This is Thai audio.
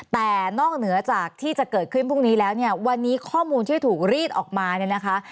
แต่นอกเหนือจากที่จะเกิดขึ้นพรุ่งนี้แล้วเนี่ยวันนี้ข้อมูลที่ถูกรีดออกมาเนี่ยนะคะ